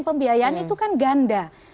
pembiayaan itu kan ganda